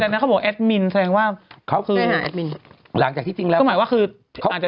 แสดงนั้นเขาบอกแอดมินแสดงว่าเขาคือหลังจากที่จริงแล้วหมายว่าคือเขาอาจจะ